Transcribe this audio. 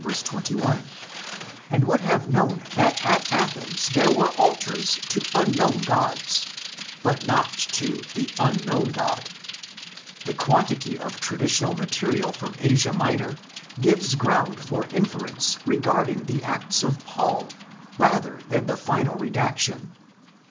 21), and would have known that at Athens there were altars "to unknown gods" (ἀγνώστοις θεοῖς), but not "to the unknown God" (ἀγνώστῳ Gq). The quantity of traditional material from Asia Minor gives ground for inference regarding the Acts of Paul rather than the final redaction.